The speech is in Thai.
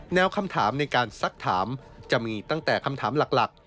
คำถามในการซักถามจะมีตั้งแต่คำถามหลัก